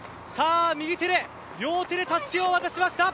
右手で両手でたすきを渡しました。